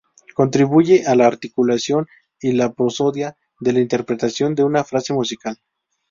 Contribuye a la articulación y la prosodia de la interpretación de una frase musical.